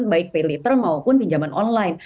baik pilih ter maupun pinjaman online